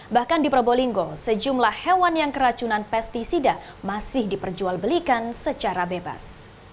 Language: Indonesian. bahkan di probolinggo sejumlah hewan yang keracunan pesticida masih diperjualbelikan secara bebas